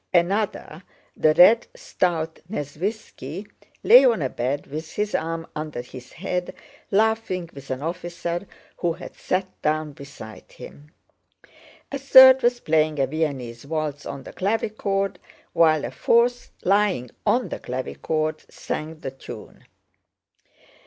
Another, the red, stout Nesvítski, lay on a bed with his arms under his head, laughing with an officer who had sat down beside him. A third was playing a Viennese waltz on the clavichord, while a fourth, lying on the clavichord, sang the tune.